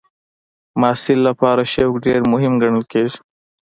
د محصل لپاره شوق ډېر مهم ګڼل کېږي.